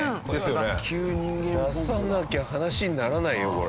出さなきゃ話にならないよこれ。